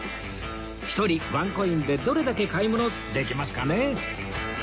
一人ワンコインでどれだけ買い物できますかね